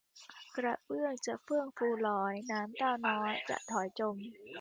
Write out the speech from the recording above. กระเบื้องจะเฟื่องฟูลอย น้ำเต้าน้อยจะถอยจม